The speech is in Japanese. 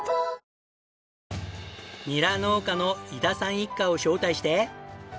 ニラ農家の伊田さん一家を招待して。